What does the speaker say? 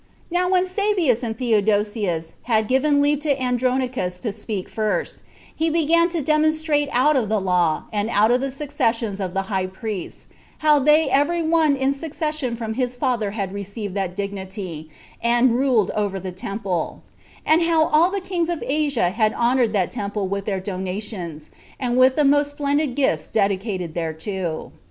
Now when Sabbeus and Theodosius had given leave to Andronicus to speak first, he began to demonstrate out of the law, and out of the successions of the high priests, how they every one in succession from his father had received that dignity, and ruled over the temple; and how all the kings of Asia had honored that temple with their donations, and with the most splendid gifts dedicated thereto.